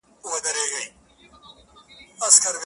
حقيقت لا هم مبهم پاتې دی،